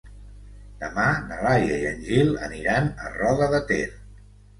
Demà na Laia i en Gil aniran a Roda de Ter.